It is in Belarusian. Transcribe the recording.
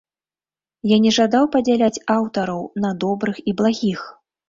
Я не жадаў падзяляць аўтараў на добрых і благіх.